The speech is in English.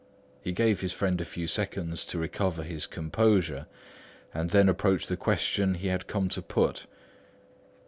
He gave his friend a few seconds to recover his composure, and then approached the question he had come to put.